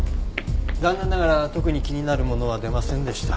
残念ながら特に気になるものは出ませんでした。